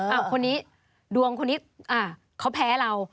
คนนี้ดวงคนนี้เขาแพ้เรา